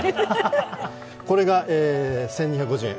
これが１２５０円。